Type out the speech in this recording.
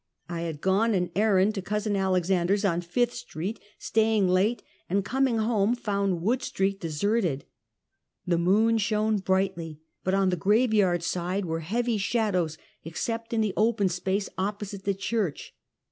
I had gone an errand to cousin Alexander's, on Fifth street, stayed late, and coming home, found Wood street deserted. The moon shone brightly, but on the graveyard side were heavy shadows, except in the open space opposite the church.